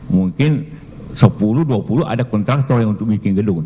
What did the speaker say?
mungkin sepuluh dua puluh ada kontraktor yang untuk bikin gedung